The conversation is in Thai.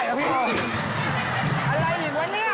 อะไรอีกว่านี่